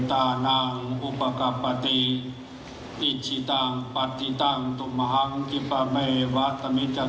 ต้องพยายามอดทนประคับประคอมชีวิตให้ดำเนินไปสู่ความสวัสดีทั้งในวันนี้และวันหน้า